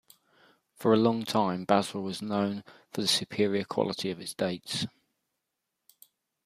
For a long time, Basra was known for the superior quality of its dates.